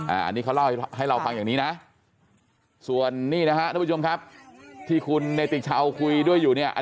อันนี้เขาเล่าให้เราฟังอย่างนี้นะส่วนนี่นะฮะทุกผู้ชมครับที่คุณเนติชาวคุยด้วยอยู่เนี่ย